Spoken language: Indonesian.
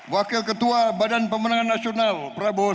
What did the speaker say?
wakil ketua badan pemenang nasional prabowo sandi